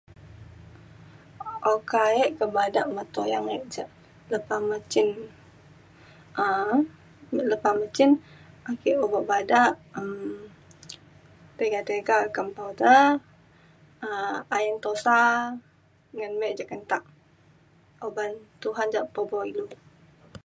oka e ke bada me tuyang e ja lepa me cin um lepa me cin ake obak bada um tiga tiga kembau te um ayen tusa ngan me je kentak. uban Tuhan ja pebo ilu.